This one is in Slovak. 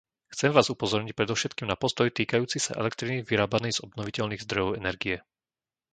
Chcem vás upozorniť predovšetkým na postoj týkajúci sa elektriny vyrábanej z obnoviteľných zdrojov energie.